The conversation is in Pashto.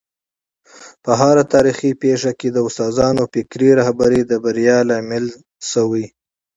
په هره تاریخي پېښه کي د استادانو فکري رهبري د بریا لامل سوی.